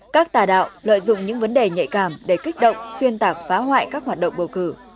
các tà đạo lợi dụng những vấn đề nhạy cảm để kích động xuyên tạc phá hoại các hoạt động bầu cử